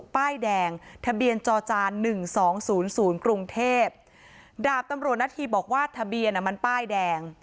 ป้ายแดงทะเบียนจอจานหนึ่งสองศูนย์ศูนย์กรุงเทพดาบตำรวจนาธีบอกว่าทะเบียนอ่ะมันป้ายแดง